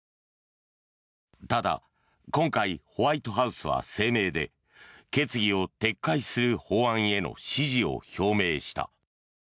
ただ、今回ホワイトハウスは声明で決議を撤回する法案への支持を表明した。